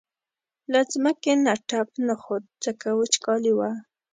له ځمکې نه تپ نه خوت ځکه وچکالي وه.